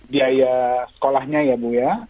biaya sekolahnya ya bu ya